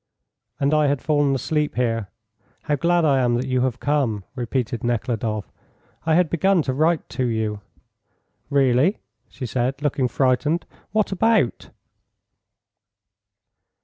"And I had fallen asleep here. How glad I am that you have come," repeated Nekhludoff. "I had begun to write to you." "Really?" she said, looking frightened. "What about?"